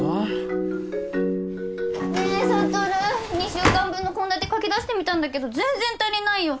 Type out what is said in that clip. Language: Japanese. ２週間分の献立書き出してみたんだけど全然足りないよ。